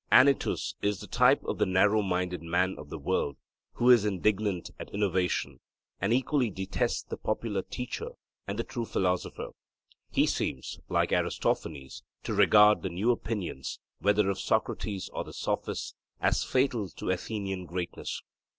Anytus is the type of the narrow minded man of the world, who is indignant at innovation, and equally detests the popular teacher and the true philosopher. He seems, like Aristophanes, to regard the new opinions, whether of Socrates or the Sophists, as fatal to Athenian greatness.